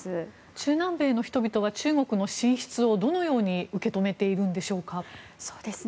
中南米の人々は中国の進出をどのように受け止めているんでしょうか。